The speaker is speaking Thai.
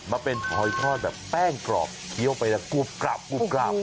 มาเป็นหอยทอดแบบแป้งกรอบเคี้ยวไปแล้วกรุบกราบกรุบกราบ